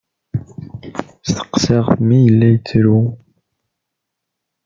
Steqsaɣ-t mi yella yettru.